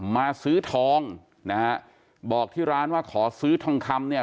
มาซื้อทองนะฮะบอกที่ร้านว่าขอซื้อทองคำเนี่ย